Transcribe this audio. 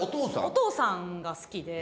お父さんが好きで。